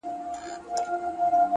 زه چي الله څخه ښكلا په سجده كي غواړم ـ